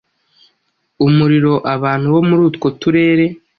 umuriro abantu bo muri utwo turere